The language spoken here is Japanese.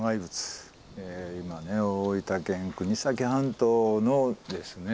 今ね大分県国東半島のですね